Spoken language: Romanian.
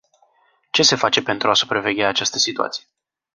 Ce se face pentru a supraveghea această situație?